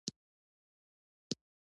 ستاسو د ریاضي ښؤونکی څوک دی؟